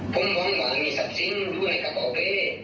ผมมองหว่างมีสับสิ้นดูในกระเป๋าเป้